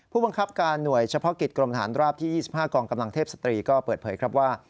ผู้บังคับการหน่วยเฉพาะกิจกรมฐานราบที่๒๕กองกำลังเทพสตรีก็เปิดเผยครับว่า